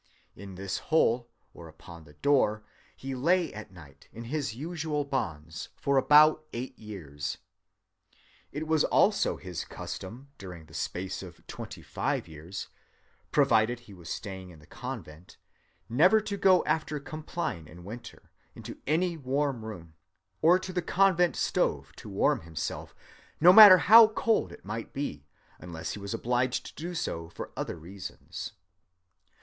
In this hole, or upon the door, he lay at night in his usual bonds, for about eight years. It was also his custom, during the space of twenty‐five years, provided he was staying in the convent, never to go after compline in winter into any warm room, or to the convent stove to warm himself, no matter how cold it might be, unless he was obliged to do so for other reasons.